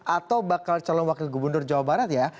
atau bakal calon wakil gubernur jawa barat ya